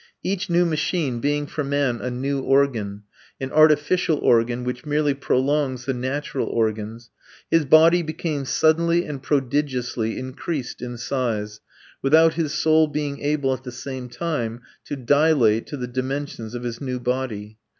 Each new machine being for man a new organ an artificial organ which merely prolongs the natural organs his body became suddenly and prodigiously increased in size, without his soul being able at the same time to dilate to the dimensions of his new body.